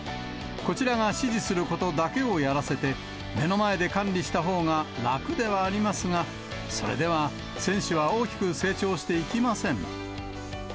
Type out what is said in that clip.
こちらが指示することだけをやらせて、目の前で管理したほうが楽ではありますが、それでは選手は大きく成長していきません。